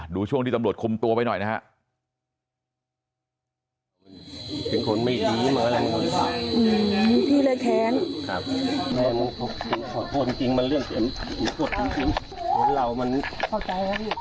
ช่วงที่ตำรวจคุมตัวไปหน่อยนะครับ